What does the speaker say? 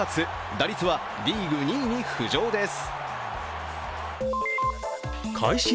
打率はリーグ２位に浮上です。